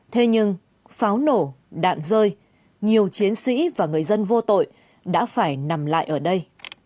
thế nhưng pháo nổ đạn rơi nhiều chiến sĩ và người dân vô tội đã phải nằm lại ở đây